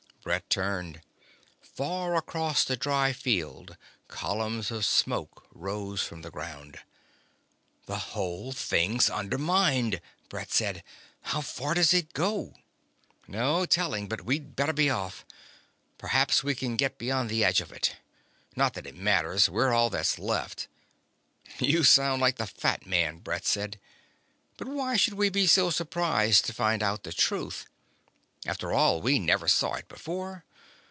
Brett turned. Far across the dry field columns of smoke rose from the ground. "The whole thing's undermined," Brett said. "How far does it go?" "No telling. But we'd better be off. Perhaps we can get beyond the edge of it. Not that it matters. We're all that's left ..." "You sound like the fat man," Brett said. "But why should we be so surprised to find out the truth? After all, we never saw it before.